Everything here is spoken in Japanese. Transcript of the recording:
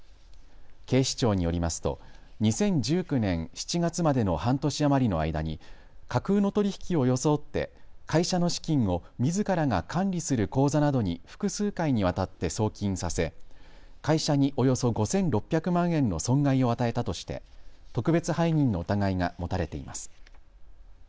警視庁によりますと２０１９年７月までの半年余りの間に架空の取り引きを装って会社の資金をみずからが管理する口座などに複数回にわたって送金させ会社におよそ５６００万円の損害を与えたとして特別背任の疑いが持たれています。